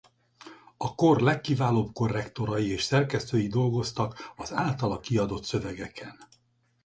A kor legkiválóbb korrektorai és szerkesztői dolgoztak az általa kiadott szövegeken.